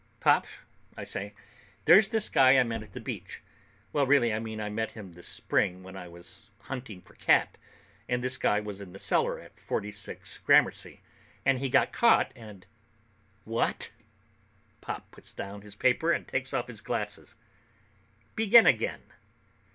"Pop," I say, "there's this guy I met at the beach. Well, really I mean I met him this spring when I was hunting for Cat, and this guy was in the cellar at Forty six Gramercy, and he got caught and...." "Wha a a t?" Pop puts down his paper and takes off his glasses. "Begin again."